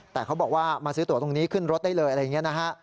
แต่เขาบอกว่ามาซื้อตัวตรงนี้ขึ้นรถได้เลยอะไรอย่างนี้นะฮะ